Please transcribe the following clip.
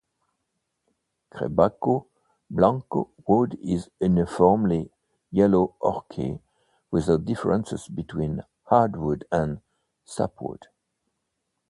Quebracho blanco wood is uniformly yellow-ochre, without differences between hardwood and sapwood.